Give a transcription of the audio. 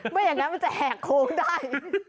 ไม่อย่างนั้นมันจะแหกโค้งได้